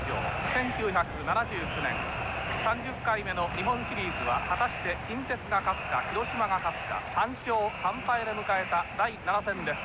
１９７９年３０回目の日本シリーズは果たして近鉄が勝つか広島が勝つか３勝３敗で迎えた第７戦です。